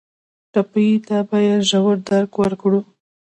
ټپي ته باید ژور درک ورکړو.